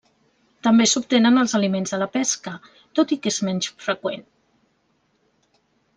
També s’obtenen els aliments de la pesca, tot i que és menys freqüent.